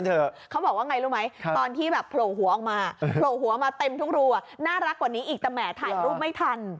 น่ารักกว่านี้อีกแต่แหมถ่ายรูปไม่ทัน